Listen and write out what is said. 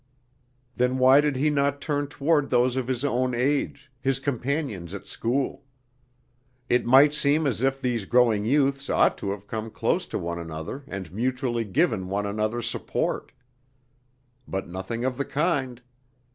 Then why did he not turn toward those of his own age, his companions at school? It might seem as if these growing youths ought to have come close to one another and mutually given one another support. But nothing of the kind.